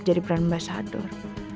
jadi brand ambassador